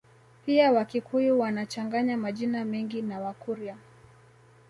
Pia Wakikuyu wanachanganya majina mengi na Wakurya